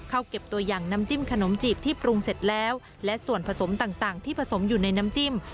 เข้าเก็บตัวอย่างน้ำจิ้มขนมจีบที่ปรุงเสร็จแล้วและส่วนผสมต่างที่ผสมอยู่ในน้ำจิ้ม